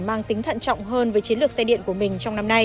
mang tính thận trọng hơn với chiến lược xây dựng